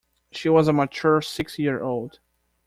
She was a mature six-year-old.